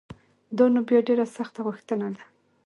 دا نو بیا ډېره سخته غوښتنه ده